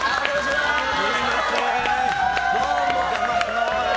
どうも。